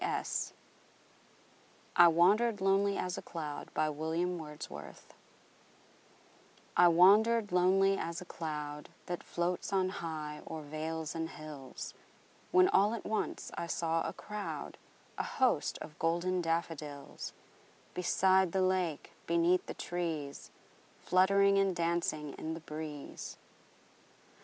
William Wordsworth I Wandered Lonely As a Cloud I WANDERED lonely as a cloud That floats on high o'er vales and hills, When all at once I saw a crowd, A host, of golden daffodils; Beside the lake, beneath the trees, Fluttering and dancing in the breeze.